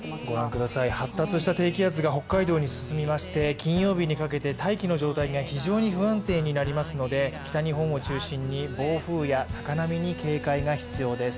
発達した低気圧が北海道に進みまして金曜日にかけて大気の状態が非常に不安定になりますので北日本を中心に暴風や高波に警戒が必要です。